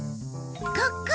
ここ！